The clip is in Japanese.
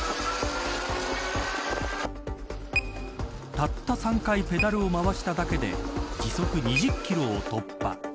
たった３回ペダルを回しただけで時速２０キロを突破。